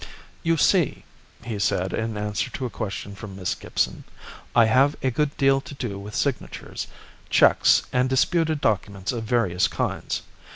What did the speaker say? "You see," he said, in answer to a question from Miss Gibson, "I have a good deal to do with signatures, cheques and disputed documents of various kinds.